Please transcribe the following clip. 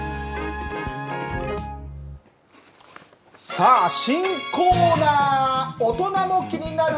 さあ、新コーナーオトナも気になる！